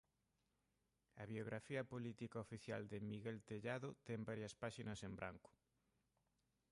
A biografía política oficial de Miguel Tellado ten varias páxinas en branco.